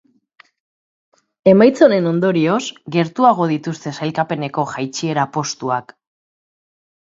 Emaitza honen ondorioz, gertuago dituzte sailkapeneko jaitsiera postuak.